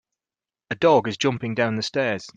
A dog is jumping down the stairs.